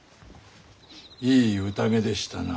いい宴でしたな。